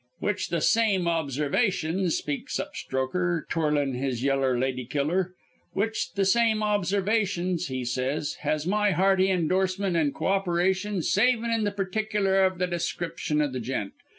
"'Which the same observations,' speaks up Strokher, twirlin' his yeller lady killer, 'which the same observations,' he says, 'has my hearty indorsement an' cooperation savin' in the particular of the description o' the gent.